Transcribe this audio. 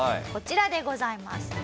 こちらでございます。